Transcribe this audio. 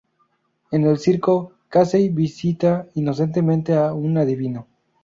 En el circo, Casey visita inocentemente a un adivino.